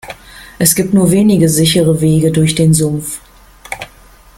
Es gibt nur wenige sichere Wege durch den Sumpf.